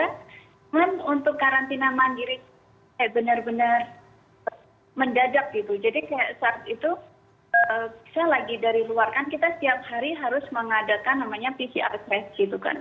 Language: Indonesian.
dan untuk karantina mandiri benar benar mendadak gitu jadi saat itu saya lagi dari luar kan kita setiap hari harus mengadakan namanya pcr test gitu kan